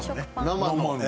生の。